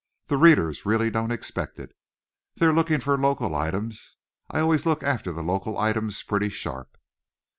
The readers really don't expect it. They're looking for local items. I always look after the local items pretty sharp."